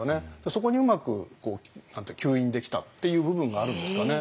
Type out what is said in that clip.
そこにうまく吸引できたっていう部分があるんですかね。